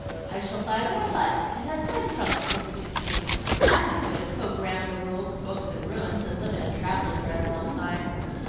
"I shall buy what I like, and have ten trunks if it suits me. I'm not going to poke round over old books and ruins, and live in a travelling dress all the time.